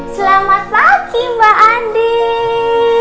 selamat pagi mbak andin